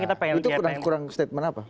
itu kurang statement apa